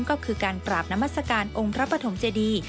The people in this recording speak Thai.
ก็คือการปราบนามัศกาลองค์พระปฐมเจดี